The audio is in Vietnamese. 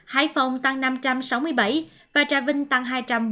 hải phòng tăng năm trăm sáu mươi bảy và trà vinh tăng hai trăm bốn mươi bảy